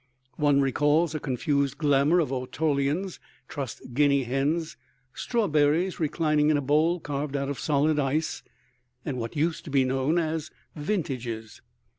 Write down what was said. One recalls a confused glamor of ortolans, trussed guinea hens, strawberries reclining in a bowl carved out of solid ice, and what used to be known as vintages.